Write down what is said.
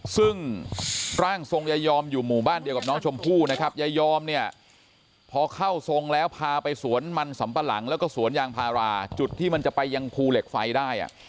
ซึ่งร่างทรงยายอมอยู่หมู่บ้านเดียวกับน้องชมพู่นะครับยายอมเนี่ยพอเข้าทรงแล้วพาไปสวนมันสำปะหลังแล้วก็สวนยางพาราจุดที่มันจะไปยังภูเหล็กไฟได้